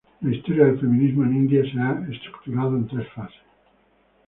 La historia del feminismo en India se ha estructurado en tres fases.